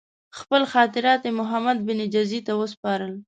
خپل خاطرات یې محمدبن جزي ته وسپارل.